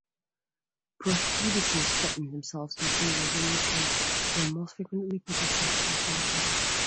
Prohibitives pattern themselves in similar ways and are most frequently positioned cause initially.